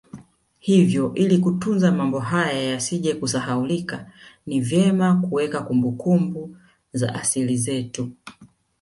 Hivyo ili kutunza mambo haya yasije kusahaulika ni vyema kuweka kumbukumbu ya asili zetu